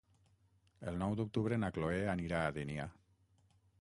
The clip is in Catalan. El nou d'octubre na Cloè anirà a Dénia.